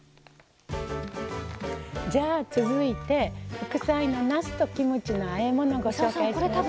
じゃあ続いて副菜のなすとキムチのあえ物ご紹介します。